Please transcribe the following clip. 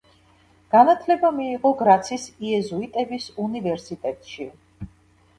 განათლება მიიღო გრაცის იეზუიტების უნივერსიტეტში.